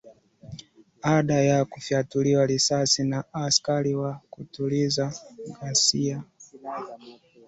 aada ya kufiatuliwa risasi na askari wa kutuliza ghasia